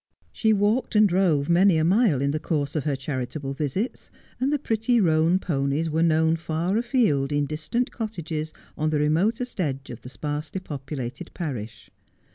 She walked and drove many a mile in the course of her charitable visits, and the pretty roan ponies were known far afield in distant cottages on the remotest edge of the sparsely populated parish.